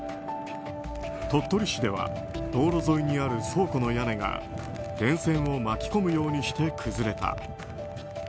鳥取市では道路沿いにある倉庫の屋根が電線を巻き込むようにして崩れた。